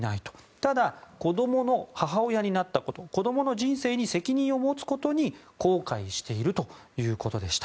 ただ、子供の母親になったこと子供の人生に責任を持つことに後悔しているということでした。